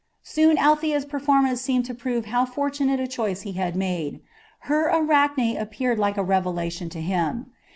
Soon Althea's performance seemed to prove how fortunate a choice he had made. Her Arachne appeared like a revelation to him.